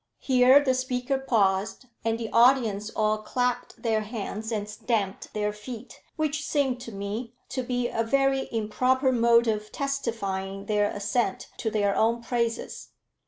Here the speaker paused, and the audience all clapped their hands and stamped their feet, which seemed to me to be a very improper mode of testifying their assent to their own praises.